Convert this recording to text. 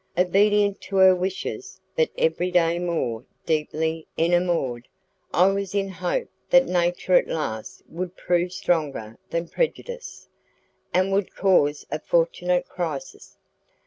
Obedient to her wishes, but every day more deeply enamoured, I was in hope that nature at last would prove stronger than prejudice, and would cause a fortunate crisis.